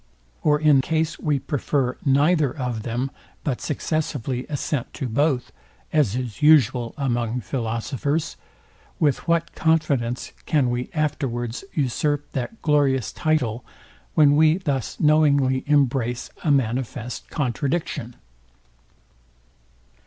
Or in case we prefer neither of them, but successively assent to both, as is usual among philosophers, with what confidence can we afterwards usurp that glorious title, when we thus knowingly embrace a manifest contradiction?